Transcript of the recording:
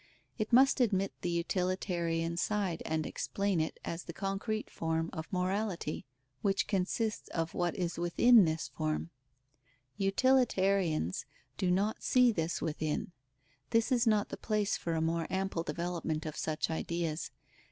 It must admit the utilitarian side and explain it as the concrete form of morality, which consists of what is within this form. Utilitarians do not see this within. This is not the place for a more ample development of such ideas.